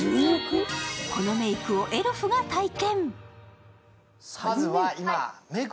このメークをエルフが体験。